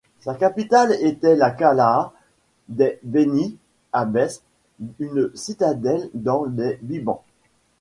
Sa capitale était la Kalâa des Beni Abbès, une citadelle dans les Bibans.